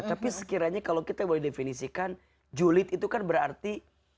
tapi sekiranya kalau kita boleh definisikan julid itu kan berarti